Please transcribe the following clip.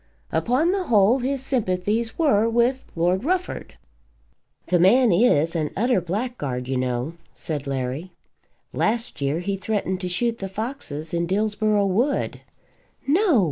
Upon the whole his sympathies were with Lord Rufford. "The man is an utter blackguard, you know," said Larry. "Last year he threatened to shoot the foxes in Dillsborough Wood." "No!"